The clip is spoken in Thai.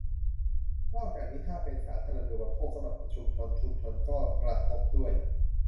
นอกจากนี้ถ้าเป็นสาธารณูปโภคสำหรับชุมชน ชุมชนก็กระทบด้วย